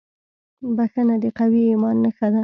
• بښنه د قوي ایمان نښه ده.